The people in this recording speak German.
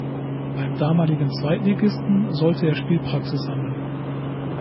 Beim damaligen Zweitligisten sollte er Spielpraxis sammeln.